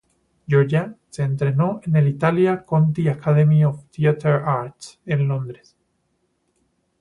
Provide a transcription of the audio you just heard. Georgia se entrenó en el "Italia Conti Academy of Theatre Arts" en Londres.